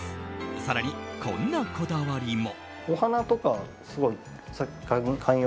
更に、こんなこだわりも。